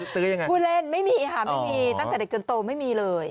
ยังไงผู้เล่นไม่มีค่ะไม่มีตั้งแต่เด็กจนโตไม่มีเลย